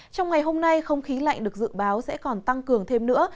trong ngày hôm nay không khí lạnh được dự báo sẽ còn tăng cường thêm nữa